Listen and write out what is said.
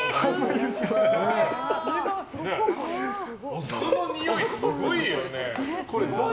オスのにおい、すごいよね。